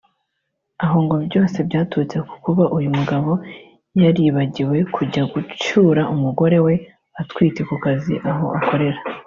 aho ngo byose byaturutse ku kuba uyu mugabo yaribagiwe kujya gucyura umugore we utwite ku kazi aho akorera